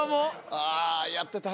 あやってた。